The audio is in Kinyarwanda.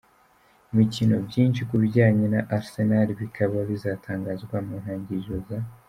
imikino, byinshi ku bijyanye na Arsenal bikaba bizatangazwa mu ntangiriro za